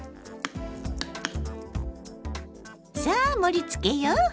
さあ盛りつけよう！